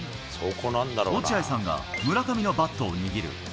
落合さんが村上のバットを握る。